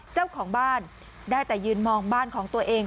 เจ้าของบ้านได้แต่ยืนมองบ้านของตัวเอง